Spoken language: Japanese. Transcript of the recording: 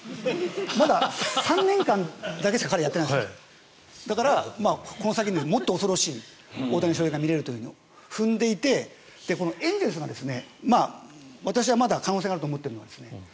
まだ３年間だけしか彼はやってないのでこの先にもっと恐ろしい大谷翔平が見られると踏んでいてこのエンゼルスも私はまだ可能性があると思ってるんですね。